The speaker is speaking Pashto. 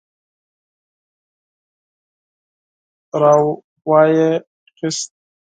را وايي خيست.